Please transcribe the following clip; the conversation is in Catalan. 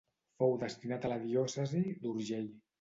Fou destinat a la diòcesi d'Urgell.